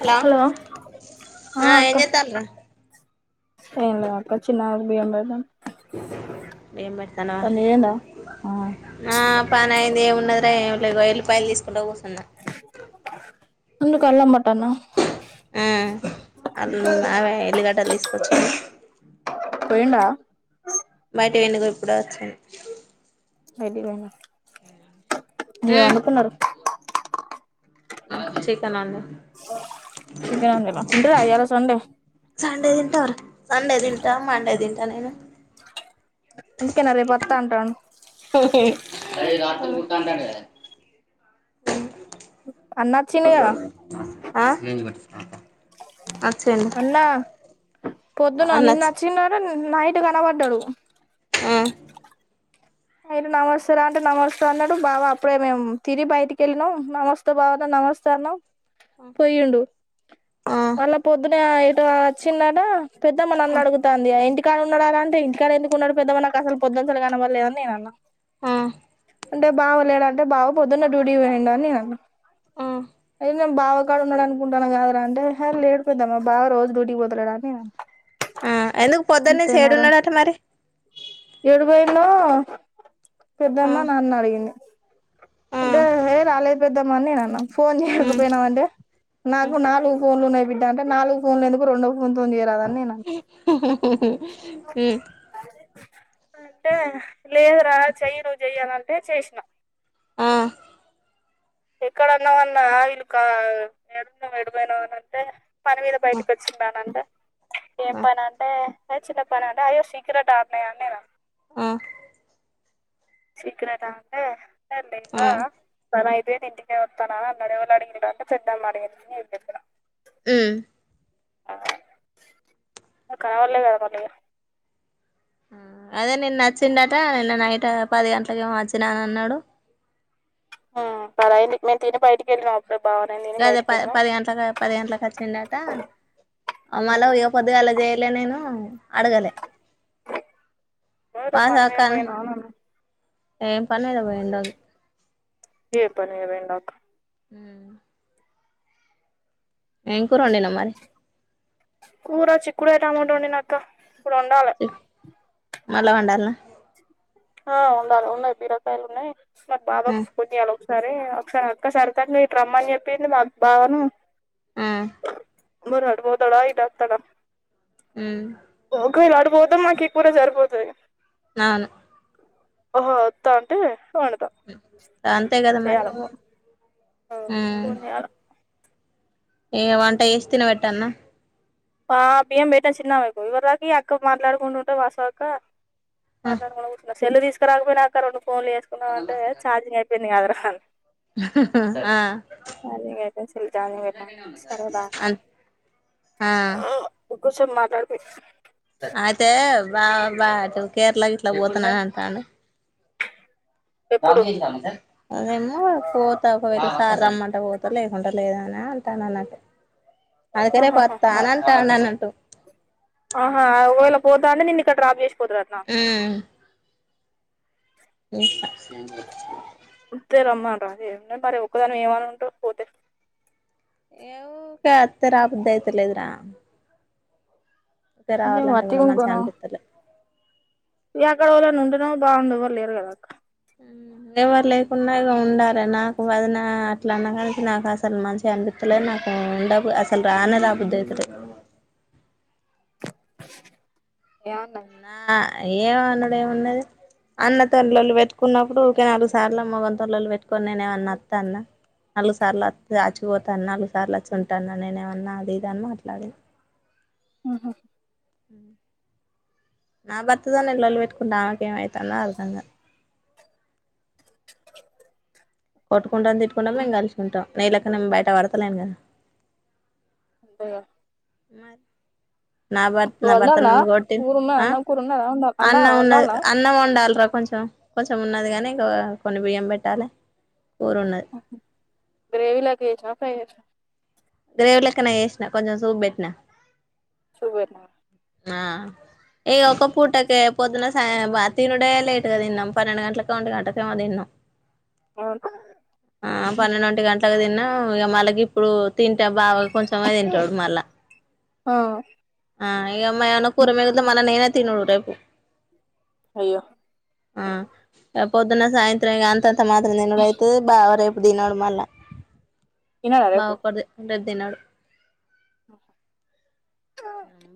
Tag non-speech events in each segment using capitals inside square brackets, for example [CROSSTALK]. Hello ఆ ఏం చెత్తాన్ రు ఏం లే అక్క చిన్నాయన బియ్యం పెడదాం పని చేయందా ఆ ఆ పని అయింది ఏ ఉన్నదిరా ఏమ్ లే ఇగా ఎల్లిపాయలు తీసుకుంట కూసో అన్నా నుందు కళ్ళ మాటనా ఆ అ అవే ఎల్లుగడ్డలు తీసుకొచ్చా పోయిండా నేను గు ఇప్పుడే వచ్చాను ఏదివేనా ఏమనుకున్నారు చెక్ చికెన్ వండినా తింటారా ఇయ్యాల సండే సండే దింటారా సండే దింటామ్ మండే దిన్ కానమ అందుకే నా రే పత్తా అంటాన్ రేయ్ రాత్ర మూతాంటడే అన్న వచ్చిండు కదా ఆ వచ్చిండు అన్నా పొద్దున నిన్న అన్నొచ్చు వచ్చినర నైట్ కనబడ్డాడు ఆ అయన్నా నమస్తేార అంటే నమస్తే అన్నాడు బావ అప్పుడే మేము తినీ బయటికి వెళ్ళాం నమస్తే బావ నమస్తే అన్నాం పోయ్ ఉండు ఆ మళ్ళ పొద్దున ఇటు వచ్చిన్నాడు పెద్దమ్మ నన్ అడుగుతాంది ఇంటికాడ ఉన్నాడ అంటే ఇంటికాడ ఎందుకున్నాడు పెద్ద మ నాకు అసలు పొద్దు అసలు కనబల్లేదు నేనన్నా ఆ అంటే బావలేడా అంటే బావ పొద్దున్న డ్యూటీ పోయిండు అని నేను అన్నా ఆ అయి నేను బావ కాడ ఉన్నాడు అనుకుంటన్న కదరా అంటే హ లేడు పెద్దమ్మా బావ రోజు డ్యూటీకి పోతులేడా అని అన్నా ఆ ఎందుకు పొద్దున్నుంచి అంతేనారా ఏడున్నాడట మరి ఆ పెద్దన్న నాన్న అడిగింది. ఆ అంటే హే రాలేద్ పె ద్దాం అని నేనన్న ఫోన్ ఉమ్ చేయకపోయినావ అంటే నాకు ఉమ్ నాలుగు ఫోన్లున్నయ బిడ్డ అంటే నాలుగు ఫోన్లు ఎందుకు రెండ్ కొంతొంజెరా అద్ ఉమ్ అంటే లేదురా చెయ్యను జెయ్యరా అంటే చేసిన ఆ ఎక్కడ ఉన్నావన్నా వీళ్ళు కా ఎడునవ్ ఎటుపోయినావు అని అంటే పని మీద బయటకి వచ్చిండా అనంటే ఏం ఆ పని అంటే చిన్న పని అంటే అయ్యో సీక్రెట్ ఆన్నాయా నేను ఆ సీక్రెట్ ఆ అంటే అర్ లేదు ఆ అలా అయితే ఇంటికే వత్తాన అన్నాడు. ఎవర్నో అడిగిన్నింట అంటే [UNINTELLIGIBLE] ఉ కావాలి కదా మళ్ళీ అదే నిన్న వచ్చిండట నిన్న నైట్ పది గంట్లకి ఏమో వచ్చినా నన్నాడు. ఆ పరాయండి మే తిని బయటి ఎల్ రా గదే పది పది గంట్లకు పది గంట్లకు వచ్చిండట అమ్మాలో ఇదొపొద్దిగాలె చేయలే నేను అడగలే ఏదొ పని వాసక్క మీద పోయినా అన ఏం పని పోయిండాది. ఏ పని మీద పొయిండొ క ఉ ఏం కూర వండిన మరి కూర చిక్కుడు కాయలతో టమోట వండిన క ఇప్పుడు వండాలె. మళ్ళా వండాల్నా ఆ వండాలి ఉన్నాయ్ బీరకాయలున్నాయ్. మా బావక్ మ్ పోన్ చెయాలో సరే ఒకసారి అక్క సరితని ఇటరమ్మని చెప్పింది. మాకు బావను ఉ మరి అటుపోతడా ఇటువత్తడ మ్ ఒంక్విలడు పోతే మాక్ ఇ కూర సరిపోతది. నవును ఓహో ఒత్త అంటే వండుతా అంతే కదా మరి చేయాలి ఫోన్ ఉ ఫోన్ చేయాలి ఏ వంట చేసి తినవెట్టన్న ఆ బియ్యం పెట్టిన చిన్నవ్వకు ఇవార్దాక ఈ అక్క మాట్లాడుకుంటుంటె వాసవి అక్క మాట్లాడుకుంట కూసున్న సెల్లు తీసుకురాకపోయినవక్క రెండు ఫోన్లు చేసుకుందాం అంటే ఛార్జింగ్ అయిపోయింది కాదురా హల్ ఆ ఛార్జింగ్ అయిపోతే సెల్ ఛార్జింగ్ పెట్టిన సరే బాయ్ అక్క ఆహ్ కూర్చొని మాట్లాడిపి బా బా నువ్వు కేరళ గిట్ల పోతున్నవే అంటాండు ఎప్పుడు [UNINTELLIGIBLE] అదేమో పోతా ఒకవేళ సార్ రమ్మంటె వోతా లేకుంటె లేదు అనే అంటాండన్నట్టు అందుకే రేపొత్తా ఆహాహా అని అంటాడన్నట్టు ఆహా ఒకవేళ పోతా అంటే నేన్ నీ అక్కడ డ్రాప్ చేసి పోతారట్నా ఉమ్ [UNINTELLIGIBLE] ఒత్తే రమ్మను రాదే మరి ఒక్కదానివి ఏమని ఉంటవ్ పోతె ఏ ఊకే వత్తే రాబుద్ధయితలేదురా ఊకె ఇగ రావాలంటే వట్టిగా కూడా మంచిగ ఉండుకోను అనిపిత్తలే ఇగ అక్కడ ఎవలన్న ఉంటేనేమో బాగుండు ఎవరు లేరు కదా ఎవరు లేకున్నా ఇగ ఉండాలె నాకు వదినా అట్లా అన్నకాన్నుంచి నాకు అసలు మంచిగ అనిపిత్తలే నాకు ఉండబ అసలు రానే రాబుద్దయితలే ఆహా అన్నా ఏమనుడు ఏమున్నది అన్న తోని లొల్లి పెట్టుకున్నప్పుడు ఊకె నాలుగు సార్ల మగని తోని లొల్లి పెట్టుకొని నేను ఏమన్నా అస్తాన్న నాలుగు సార్లు అత్తె అచ్చిపోతాన్నా నాలుగు సార్లు అచ్చి ఉంటాన్న నేను ఏమన్నా అది ఇది అని మాట్లాడి ఊహూ నా భర్త తోని నేను లొల్లి పెట్ కుందామెకేం అయితందో అర్ధం కా కొట్టుకుంటం తిట్టుకుంటం మేము కలిసుంటం నీలెక్క నేను బయట పడతలేను కదా అంతేగా [UNINTELLIGIBLE] నా భర్త నా భర్త వండాల్నా నన్ను కొట్టి కూర ఉన్నదా ఆ అన్నం కూర ఉన్నదా వండా అన్నం ఉన్నది వండాల్నా అన్నం వండాల్రా కొంచెం కొంచం కొంచెం ఉన్నది కానీ ఇంకా కొన్ని బియ్యం పెట్టాలె గ్రేవీ లెక్క చేసినవా ఫ్రై చేసిన గ్రేవి లేక్కనే చేసిన కొంచెం సూపు పెట్నా వేర్ మా ఆ ఈ ఒక్క పూట అయితే పొద్దున సాయం తినుడే లేటుగా తిన్నాం పన్నెండు గంటలకో ఓంటి గంటకో ఏమో తిన్నాం ఆ పన్నెండు ఓంటి గంట్లకు తిన్న ఉ ఇలా మళ్ళ ఇప్పుడు తింటే బాగా కొంచమే తింటాడు మళ్ళా ఆ ఆ యిగా మన కూర మీదనే మననే తినడు రేపు అయ్యో ఆ పొద్దున్న సాయంత్రం అంతంత మాత్రం తినడు అయితది బావ రేపు తినడు మళ్ళా తినడా మా రేపు ఒక్కడిదే ఉంద తినడు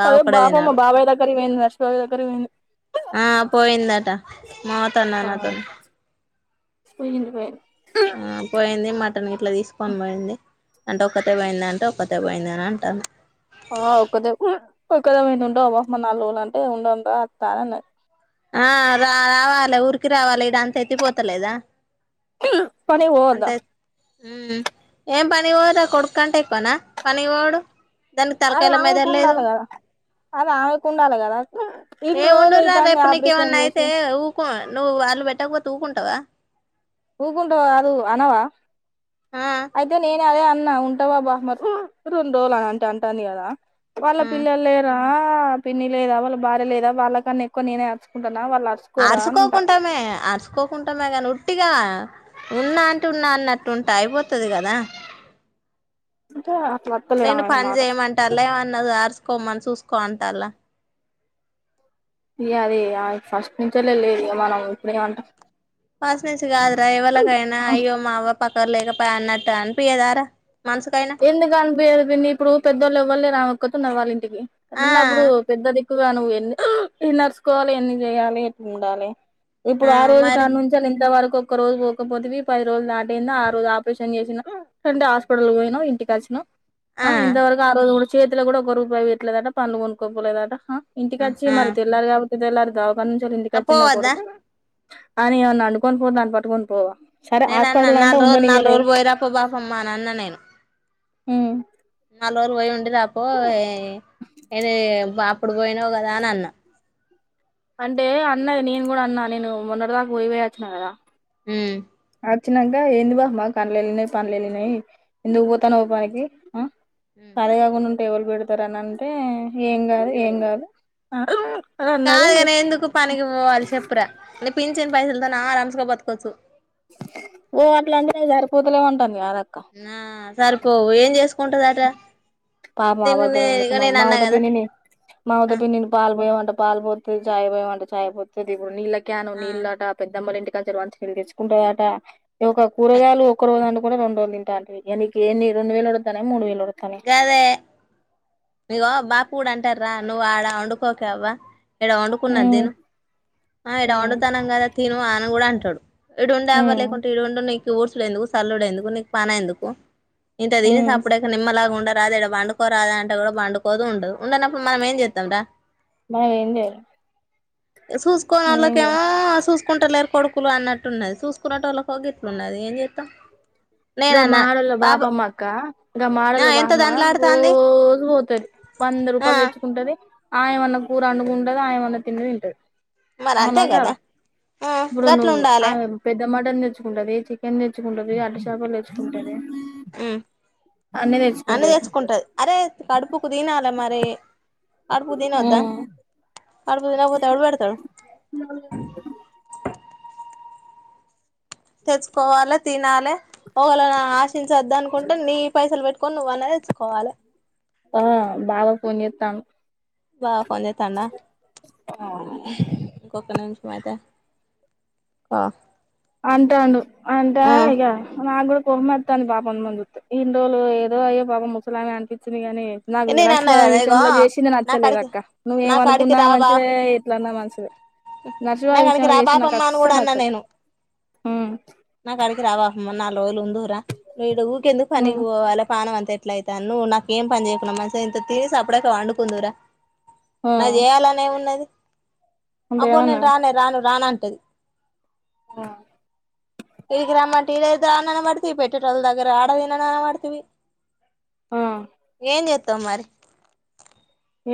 బావ అదే ఒక్కడే బాబా మా తినడు బాబాయి దగ్గర ఇగ [UNINTELLIGIBLE] ఆ పోయిందటా మమత అన్నది నా తోటి [INAUDIBLE] హు పోయింది మ అంటే నువ్వు ఇట్లా తీసుకొని పోయింది అంటే ఒక్కతే పోయింద అంటే ఒక్కతే పోయింది అని అంటావుంది. ఆ ఒక్కతే ఒకదే పోయింది ఉండవా మరి నాలుగు రోజులు అంటే ఉండంరా అక్క అనా ఆ రా రావాలి ఊరికి రావాలి ఇడ అంతా ఎత్తిపోతలేదా పని అంత పోవదా ఏం పని పోదు కొడుకుంటే ఎక్కునా పని పోడు దానికి అదే తలకాయల ఆమెకు మెదడులేదు ఉండాలి కదా అదే ఆమెకు ఉండాలి కదా ఇన్ని రోజులు ఇది అంద ఇపుడు నీకు ఏమైన్నా అయితే ఊకు నువ్ వాళ్ళు పెట్టకపోతే ఊకుం కదా ఊకుంటావా నువు అన్నవా ఆ అయితే నేను అదే అన్నా ఉం [UNINTELLIGIBLE] రెండు రోజులు అంటే అంటుంది కదా వాళ్ళ ఆ పిల్లలు లేరా ఆ పిన్ని లేదా వాళ్ళ భార్య లేదా వాళ్ళ కన్నా ఎక్కువ నేనేే అర్చుకుంటా అరుచకోకుంటామే అరుచకోకుంటామే గాని ఉ ఉట్టిగా ఉన్నా అంటే ఉన్నా అన్నట్టు ఉంటే అయిపోతుది కదా కా నేను పని చేయమంటారు లే ఏమన్న అరసు పోమని చూసుకో అంటలా యిగా అదే ఫస్ట్ నుచ్చే లేలే మనం ఇప్పుడేమంటా వాస్నేంచిగాద్ర ఎవళ కాయనా అయ్యో మావ పక్క క్కలేక పన్న ట అనిపియిదార ఎందుకు అనిపియ్యదు పిన్ని ఇప్పుడు పెద్దవాళ్ళు ఎవ్వలేరు కుత్తు నవలీం ఇవి ఆ ఉన్నప్పుడు పెద్దదిక్ ఎక్కుగా నువ్వు ఎన్ని నడుచుకోవాలి ఎన్ని చేయాలి ఎట్లా ఉండాలి ఇప్పుడు ఆ రోజు కాడ నుంచ ఇంతవరకు ఒక రోజు పోకపోతేవి పది రోజులు దాటింద ఆ రోజు ఆపరేషన్ చేసినా అంటే హాస్పిటల్ పోయి నో ఇంటి కాల్సినో ఆ ఇంతవరకు అరవ కూడా చేతిలో కూడా ఒక రూపాయి వయట్లేదట పనులు కొనుక్కోపోలే లేదంట ఇంటికి వచ్చి ఆ మరి తెల్లారుగ క ఇది ఎలార్ దాగ్ పన్నంచలింది ఆ కర్జిన్న పోవద్దా కొడుకు అని అండుకొని పోవ దని పటుకొని పోవా సరే నేన అన్న హాస్పిటల్ అంటే నాలుగు రోజులు నాలుగు ఉండనియ్యలేదు రోజులు పోయరాప్ప పాాపమ్మా అన్న నేను హు నాలుగు రోజులు ప్తో ఉండిరా పోయి ఇది బో ప ఇప్పుడు పోయినావు కదా అని అన్న అంటే అన్నది నేను కూడా అన్నా నేను మొన్నటి దాకా పోయిపోయచ్చున కదా హు వచ్చినాక ఎందు బ అమ్మా పనలెళ్ళినాయి పనులెలిినయి ఎందుకు పోతానావు పనికి ఆ సరే అగునుంట్ టేవల్ బడతారనంటే ఎం గాదు ఎంగాదు కాదుగాని ఎందుకు పనికి పోవాలి చెప్పురా పిల్చిన పైసలతో నా ఆరామ్స్గా బతకోవచ్చు ఓ అట్ల అంటే నే సరిపోతలే ఉంటాంది నా సరిపోవు ఏం చేసుకుంటది అ అంత పాప మాబద్ద్దం ఎందుకు మా మామత పిన్నిని మాముత ఆ పిండిని పాల్ పోయ అంట పాల్ పప్పి చాయ్ పోయివు అంటా చాయ్ పంపి ది నీళ్ళా క్ క్యాను ఆ నీళ్ళట పెద్దమ్మలు ఇంటికి తెచ్చుకుంటాట ఒక కూరగాయలు ఒక రోజు అడు కూడా రెండు రజులు తింటోంట్వి ఇక ఎంది రెండు వేలు అడుగుతా మూడు వేల అడు గదే ఇవో బాపూ కూడా అంటారా నువ్వు ఆడా వండుకోకే కవ్వ ఇడ వండుకున్న హ్మ్ దీను ఆ ఇడ హ్మ్ వండుతాన్నాం కదా తీను ఆన కూడా అంటాడు ఈడుండే అవ్వ హ్మ్ లేకుంటే ఏడుండి నికు ఈ ఉడుసుడు ఎందుకు ఈ సల్లోడు ఎందుకు నీకు పని ఎందుకు ఇంత తిని హ్మ్ సప్పుడు చేయక నిమ్మలంగా ఉండక కాదు ఈడ పండుకోరాదే అంటే ఇక్కడ కూడా పండుకోదు ఉండదు ఉండనప్పుడు మనం ఏం చేస్తాంరా మనం ఏం చేయాలె చూసుకోని ఏం వాళ్ళకి ఏమో లేదు చూసు కొకుంటలేరు కొడుకులు అన్నట్టున్నది చూసుకున్నట్టు వాళ్ళకి ఇట్లు ఉన్నది ఏం చేస్తాం గ మాలోల బాబామ్మా అక్క గ ఆ మాలోల ఎంత బామ్మా దండ్లాడుతాంది రోజు పోతుది వంద ఆ రూపాయలు తెచ్చుకుంటది ఆయమన్న కూర అండుకుంటది ఆయమన్నా తిండి తింటది మరి అంతే అవునా కదా కాదా ఆ ఇప్పుడు గట్ల నువ్వు ఉండాలే ఆమె పెద్ద మటన్ తెచ్చుకుంటది చికెన్ తెచ్చుకుంటుది అ చాపలు తేచ్చుకుంటది అన్ని తెచ్చుకుంటది అరే కడుపుకు తినాల మరి రీ కడుపుకు తినొద్దా కడుపుకి తినకపోతే ఎవరు పెడతారు తెచ్చుకోవాలి తినాలి ఒకల్ని ఆశించద్దు అనుకుంటే నీ పైసలు పెట్టుకొని నువ్వ అయినా తెచ్చుకోవాలి ఆ బావ ఫోన్ చేస్తాండు గా పనిచేస్తుందా ఇంకొక్క నిమిషం మాద ఆ అంటాడు అంటా ఆ ఇక నాగుడ కోపం వస్తుంది బాపమని చూస్తుంటే ఎన్ని రోజులు ఏదో అయ్యో పాపం ముసలమ్మ అనిపించింది కానీ నాకు నేను అన్నా నర్సిబాబు కదా ఇగో విషయంలో చేసింది నా నచ్చలేదు కాడికి అక్క నువ్వు నా కాడికి ఏమనుకున్నా రా బా మంచిదే ఎట్లాన్నా మంచిదే నా నర్సిబాబు కాడికి విషయంలో చేసింది నాకు అస్సలు నచ్చలేదు నాకాడికి రావ మనాల నాల్ రోజులు ఉందువు రా నువ్వు ఈడ ఉరికే ఎందుకు పనికి ఉమ్ పోవాలే ప్రాణం అంత ఎట్ల అయితాను నువ్వు నాకు ఏమి పని చేయపోతే మాయే ఈడ మంచిగ ఇంత తిని సప్పుడూజెక పండుకుందువు రా ఆ నా చేయాలని ఏమున్నది అంటే అబ్బో నేను ఏమన్నది రానేే రాను రాణ అంట తది ఆ తిగి గ్రామాటి ఇదేదో అన మాడిథీ పెటెట్రోల్ దగ్గర ఆడలేన మాడిథీవి. ఆ ఏం చేస్తావు మరి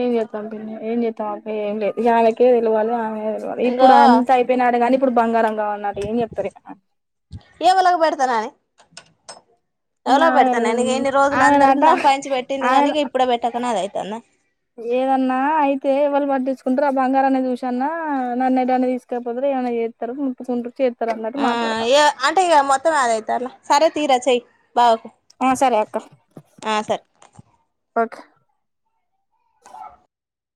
ఏం చేస్తాం పిన్న ఏం చేస్తాం ఏం లేదు ఆయనకే తెలివాలి ఆమె ఇప్పుడు ఇంగో అంత అయిపోయినాడు కానీ ఇప్పుడు బంగారంగా కావాలంట ఏం చెప్తారు ఇక ఏవలాకు పెడతానని ఇగ ఎవలో ఆమె పెడతాను నేను ఎన్ని రోజులందరికి ఆమెనట సంపాదించి పెట్టింది ఆమె కానీ ఇప్పుడే పెట్టకునా అైతే. కానా ఏదన్నా అయితే వాళ్ళు పట్టించుకుంటారు ఆ బంగారాన్ని చూసన్నా నన్న ఏదన్ని తీసుకెకపోతరు ఏమైన్నా చేస్తారు, ముట్టుకుంట్రారు చేారు. ఆ ఏ అంటే ఇక మొత్తం [UNINTELLIGIBLE] సర తీీ రచై ఓకే ఆ సరే ఆ సరే పక్క